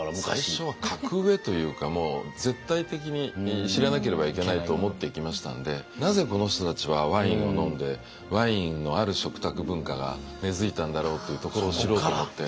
最初は格上というかもう絶対的に知らなければいけないと思って行きましたんでなぜこの人たちはワインを飲んでワインのある食卓文化が根づいたんだろうっていうところを知ろうと思って。